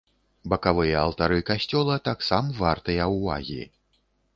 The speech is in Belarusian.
Бакавыя алтары касцёла таксам вартыя ўвагі.